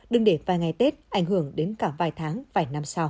đừng để vài ngày tết ảnh hưởng đến cả vài tháng vài năm sau